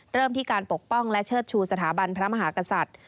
เริ่มที่การปกป้องและเชิดชูสถาบันพระมหากษัตริย์